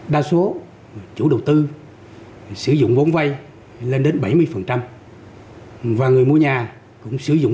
đa số chủ đầu tư sử dụng vốn vay lên đến bảy mươi và người mua nhà cũng sử dụng